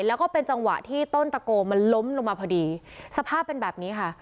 แล้วก็เป็นจังหวะที่ต้นตะโกมันล้มลงมาพอดีสภาพเป็นแบบนี้ค่ะ